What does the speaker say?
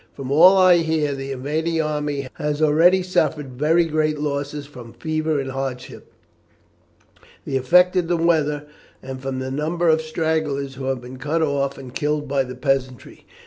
From all I hear, the invading army has already suffered very great losses from fever and hardship, the effect of the weather, and from the number of stragglers who have been cut off and killed by the peasantry.